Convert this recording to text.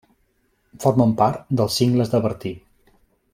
Formen part dels Cingles del Bertí.